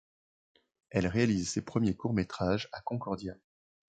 Elle réalise ses premiers courts métrages à Concordia.